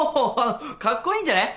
かっこいいんじゃね？